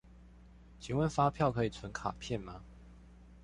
請問發票可以存卡片嗎？